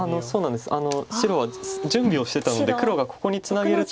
白は準備をしてたので黒がここにツナげると。